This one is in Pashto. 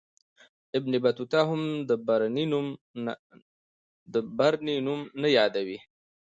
ابن بطوطه هم د برني نوم نه یادوي.